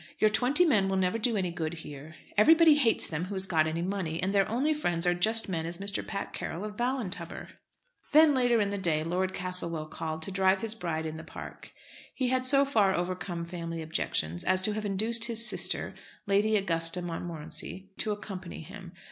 Your twenty men will never do any good here. Everybody hates them who has got any money, and their only friends are just men as Mr. Pat Carroll, of Ballintubber." Then, later in the day, Lord Castlewell called to drive his bride in the Park. He had so far overcome family objections as to have induced his sister, Lady Augusta Montmorency, to accompany him.